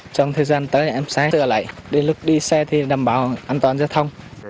trong thời gian tới em xe tựa lại đến lúc đi xe thì đảm bảo an toàn giao thông